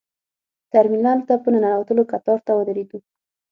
ترمینل ته په ننوتلو کتار ته ودرېدو.